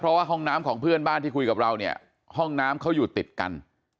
เพราะว่าห้องน้ำของเพื่อนบ้านที่คุยกับเราเนี่ยห้องน้ำเขาอยู่ติดกัน